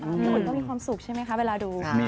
อุ่นก็มีความสุขใช่ไหมคะเวลาดู